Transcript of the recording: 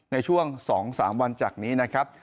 ในช่วง๒๓วันจากนี้นะครับ